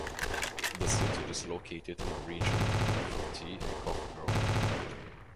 The city is located in a region known for tea and coffee growing.